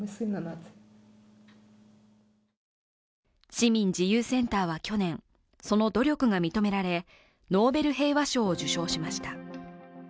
市民自由センターは去年、その努力が認められ、ノーベル平和賞を受賞しました。